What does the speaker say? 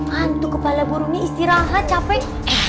hantu kepala burumi istirahat capek